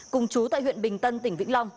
cùng chú tại huyện bình tân tỉnh vĩnh long